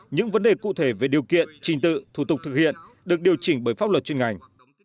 những vấn đề cụ thể về điều kiện trình tự thủ tục thực hiện được điều chỉnh bởi pháp luật chuyên ngành